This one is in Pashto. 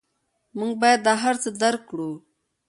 موږ باید دا هر څه درک کړو.